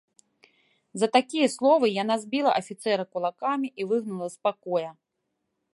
За такія словы яна збіла афіцэра кулакамі і выгнала з пакоя.